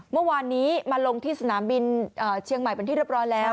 เมื่อวานนี้มาลงที่สนามบินเชียงใหม่เป็นที่เรียบร้อยแล้ว